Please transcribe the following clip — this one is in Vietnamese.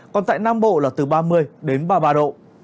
còn tại nam bộ là từ ba mươi đến ba mươi ba độ